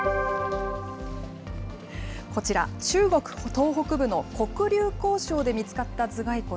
こちら、中国東北部の黒竜江省で見つかった頭蓋骨。